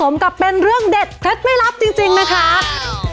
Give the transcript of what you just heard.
ผสมกลับเป็นเรื่องเด็ดเพล็ดไม่รับจริงนะครับ